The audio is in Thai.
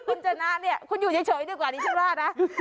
โอ้โฮคุณจนาเนี่ยคุณอยู่เฉยเดี๋ยวกว่านี้ชั่วราชนะ